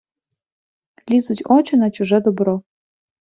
Лізуть очи на чуже добро.